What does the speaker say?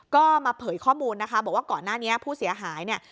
ก็มาเผยข้อมูลนะคะบอกว่าก่อนหน้านี้ผู้เสียหายเนี่ย